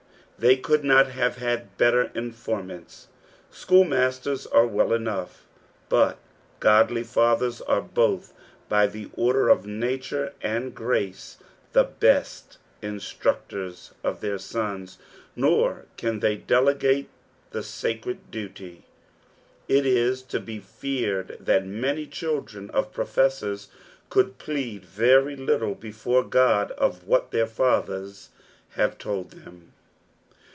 They could not have bad better informants. Schoolmasters are well enough, but godly fiithers are, both by the order of naturo ind grace, the best inatructora of their sons, nor can they delegate the sacred duty. It is to be feared that many children of profesaors could plead very little before God of what their fathers have told them.